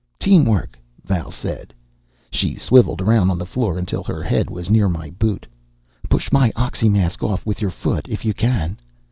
"Teamwork," Val said. She swivelled around on the floor until her head was near my boot. "Push my oxymask off with your foot, if you can."